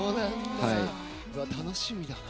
楽しみだな。